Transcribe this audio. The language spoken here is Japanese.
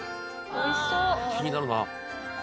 気になるな。